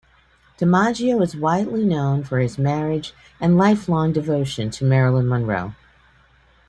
DiMaggio is also widely known for his marriage and lifelong devotion to Marilyn Monroe.